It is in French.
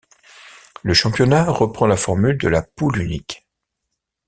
Le championnat reprend la formule de la poule unique.